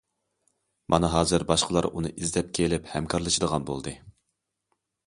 مانا ھازىر باشقىلار ئۇنى ئىزدەپ كېلىپ ھەمكارلىشىدىغان بولدى.